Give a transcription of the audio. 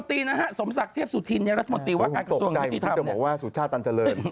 ตกใจชะมัดจะบอกว่าสุภาษณ์ตันเจริญ